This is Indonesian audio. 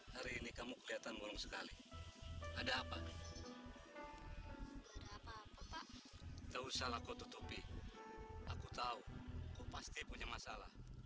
hari ini kamu kelihatan burung sekali ada apa apa tuh salah kututupi aku tahu pasti punya masalah